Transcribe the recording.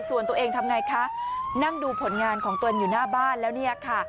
ส่วนตัวเองทำไงคะนั่งดูผลงานของตนอยู่หน้าบ้านแล้วเนี่ยค่ะ